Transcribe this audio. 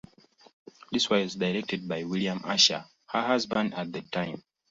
This was directed by William Asher, her husband at the time.